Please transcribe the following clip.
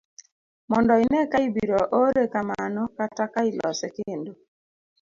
mondo ine ka ibiro ore kamano kata ka ilose kendo